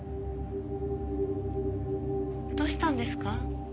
どうしたんですか？